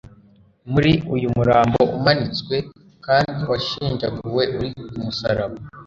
Muri uyu murambo umanitswe kandi washenjaguwe uri kumusaraba,